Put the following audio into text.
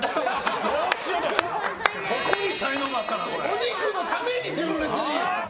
お肉のために純烈に。